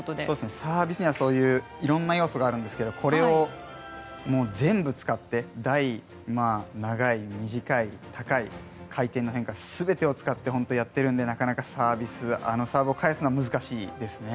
サービスにはいろんな要素があるんですが全部使って長い、短い、高い回転の変化全てを使っているのでなかなか、あのサーブを返すのは難しいですね。